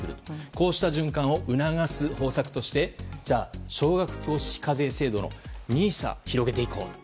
こうした循環を促す方策として少額投資非課税制度のＮＩＳＡを広げていこう。